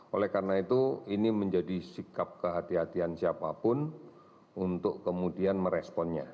oleh karena itu ini menjadi sikap kehatian siapapun untuk kemudian meresponnya